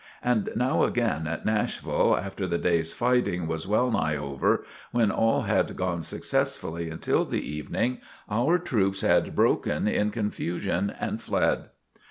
And now again at Nashville, after the day's fighting was well nigh over, when all had gone successfully until the evening, our troops had broken in confusion and fled.